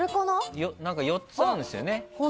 ４つあるんですよね。